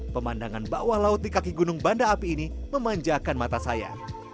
pemandangan bawah laut di kaki gunung banda api ini memanjakan mata saya